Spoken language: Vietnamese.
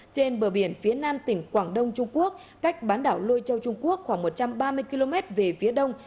trên bờ biển phía nam tỉnh quảng đông trung quốc cách bán đảo lôi châu trung quốc khoảng một trăm ba mươi km về phía đông